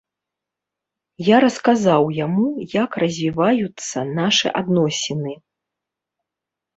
Я расказаў яму, як развіваюцца нашы адносіны.